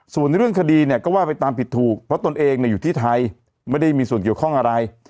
ส่วนเรื่องคดีเนี่ยก็ว่าไปตามผิดถูกเพราะตนเองอยู่ที่ไทยไม่ได้มีส่วนเกี่ยวข้องอะไร